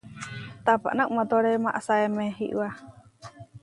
Tapaná uʼmátore maʼasáeme iʼwá.